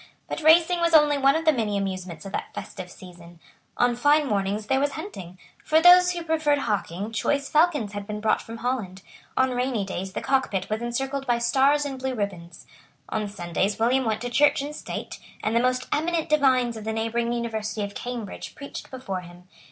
But racing was only one of the many amusements of that festive season. On fine mornings there was hunting. For those who preferred hawking choice falcons had been brought from Holland. On rainy days the cockpit was encircled by stars and blue ribands. On Sundays William went to church in state, and the most eminent divines of the neighbouring University of Cambridge preached before him.